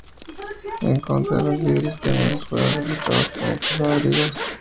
En contra, los líderes pioneros fueron retratados con pesados abrigos.